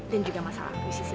dan juga masalah aku disini oke